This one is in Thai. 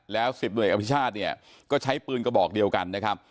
แล้ว๑๐หน่วยอภิชาติเนี่ยก็ใช้ปืนกระบอกเดียวกันนะครับ